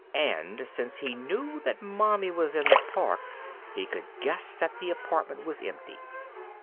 _ And, since he knew that mommie was in the park, he could guess that the apartment was empty.